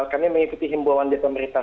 kami mengikuti himbawan di pemerintah